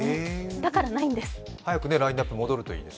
だからないんです。